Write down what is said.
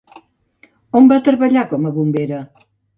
On va treballar com a bombera?